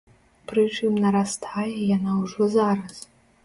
Прычым нарастае яна ўжо зараз.